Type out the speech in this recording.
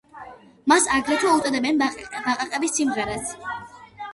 მას აგრეთვე უწოდებენ „ბაყაყების სიმღერას“.